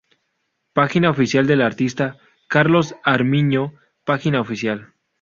Página oficial del artista "Carlos Armiño Página oficial"